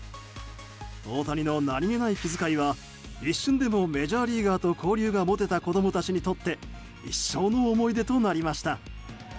大谷の何気ない気づかいは一瞬でもメジャーリーガーと交流が持てた子供たちにとって一生の思い出となりました。